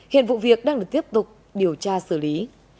hiện vụ việc đang được tiếp tục điều tra xử lý